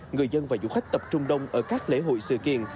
người dân và du khách tập trung đông ở các lễ hội sự kiện